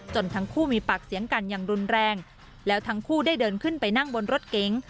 ทั้งคู่มีปากเสียงกันอย่างรุนแรงแล้วทั้งคู่ได้เดินขึ้นไปนั่งบนรถเก๋ง